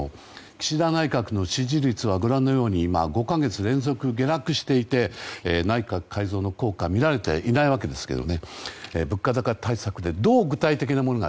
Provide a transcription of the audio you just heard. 岸田内閣の支持率は５か月連続で下落していて内閣改造の効果が見られていないわけですが物価高対策でどう具体的なものが